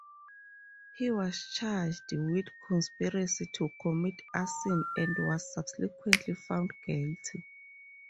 He was charged with conspiracy to commit arson and was subsequently found guilty.